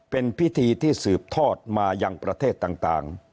เป็นพิธีที่สืบทอดมายังประเทศต่าง